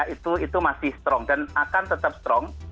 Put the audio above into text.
itu masih strong dan akan tetap strong